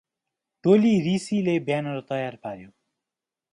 टोली रिसीले ब्यानर तयार पार्यो ।